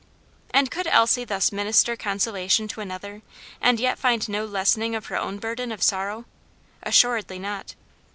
And could Elsie thus minister consolation to another, and yet find no lessening of her own burden of sorrow? Assuredly not.